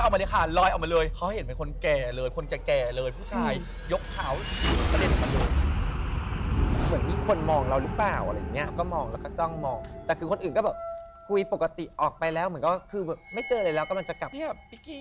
ไม่เชื่ออย่ารบหลุมมูเตรุไม่เข้าใครออกใคร